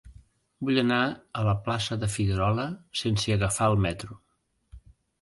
Vull anar a la plaça de Figuerola sense agafar el metro.